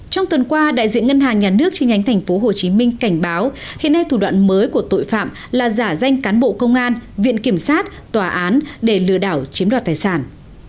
trong tuần qua đại diện ngân hàng nhà nước chi nhánh tp hcm cảnh báo hiện nay thủ đoạn mới của tội phạm là giả danh cán bộ công an viện kiểm sát tòa án để lừa đảo chiếm đoạt tài sản